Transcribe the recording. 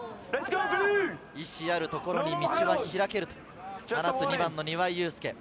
意志あるところに道は開けると話す庭井祐輔。